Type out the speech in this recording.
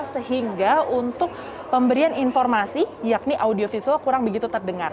sehingga untuk pemberian informasi yakni audiovisual kurang begitu terdengar